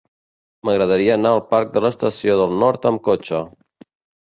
M'agradaria anar al parc de l'Estació del Nord amb cotxe.